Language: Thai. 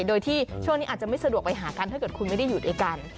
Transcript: โดยที่ช่วงนี้อาจจะไม่สะดวกไปหากันถ้าเกิดคุณไม่ได้อยู่ด้วยกัน